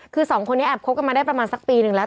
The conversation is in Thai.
คือสองคนนี้แอบคบกันมาได้ประมาณสักปีหนึ่งแล้ว